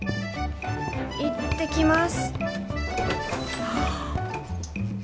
行ってきます。